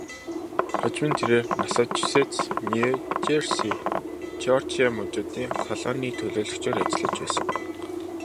Хожим нь тэрээр Массачусетс, Нью Жерси, Жеоржия мужуудын колонийн төлөөлөгчөөр ажиллаж байсан.